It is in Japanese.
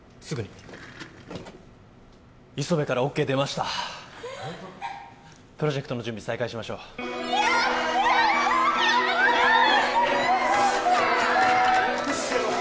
すぐにＩＳＯＢＥからＯＫ出ましたプロジェクトの準備再開しましょうやったー！